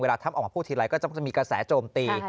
ถ้ำออกมาพูดทีไรก็จะมีกระแสโจมตี